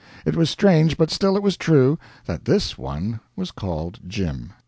It was strange, but still it was true, that this one was called Jim.